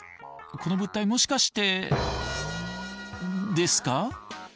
この物体もしかしてですか？